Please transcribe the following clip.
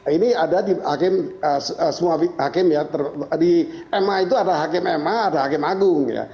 ini ada di hakim semua hakim ya di ma itu ada hakim ma ada hakim agung ya